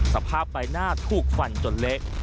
สภาพใบหน้าถูกฟันจนเละ